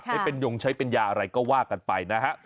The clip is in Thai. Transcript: ใช้เป็นยงใช้เป็นยาอะไรก็ว่ากันไปนะฮะ